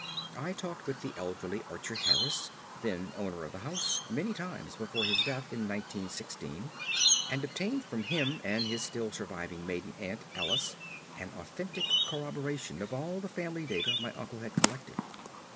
I talked with the elderly Archer Harris, then owner of the house, many times before his death in 1916; and obtained from him and his still surviving maiden sister Alice an authentic corroboration of all the family data my uncle had collected.